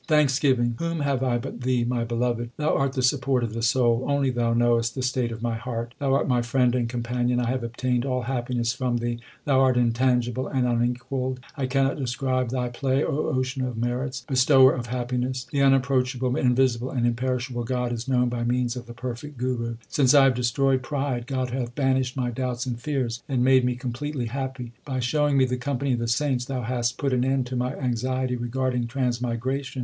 Thanksgiving : Whom have I but Thee, My Beloved ? Thou art the support of the soul. Only Thou knowest the state of my heart ; Thou art my friend and companion. 1 have obtained all happiness from Thee ; Thou art in tangible and unequalled. I cannot describe Thy play, O ocean of merits, Bestower of happiness. The unapproachable, invisible, and imperishable God is known by means of the perfect Guru. 1 Tasu, two fingers wide, or the twenty fourth part of a yard. HYMNS OF GURU ARJAN 153 Since I have destroyed pride, God hath banished my doubts and fears, and made me completely happy. By showing me the company of the saints Thou hast put an end to my anxiety regarding transmigration.